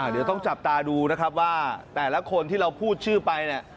เดี๋ยวต้องจับตาดูนะครับว่าแต่ละคนที่เราพูดชื่อไปเนี่ย